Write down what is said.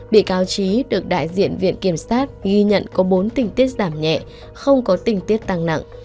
bị cáo trí được đại diện viện kiểm sát ghi nhận có bốn tình tiết giảm nhẹ không có tình tiết tăng nặng